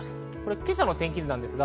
今朝の天気図です。